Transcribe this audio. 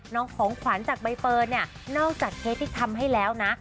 ของขวัญจากใบเฟิร์นเนี่ยนอกจากเคสที่ทำให้แล้วนะ